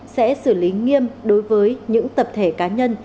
sẽ xử lý nghiêm đối với những tập thể cá nhân